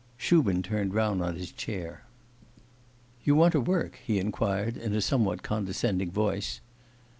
Shubin turned round on his chair. 'You want to work?' he inquired, in a somewhat condescending voice.